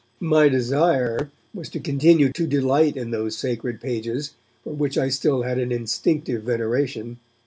My desire was to continue to delight in those sacred pages, for which I still had an instinctive veneration.